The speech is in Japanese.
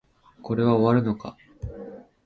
これは終わるのか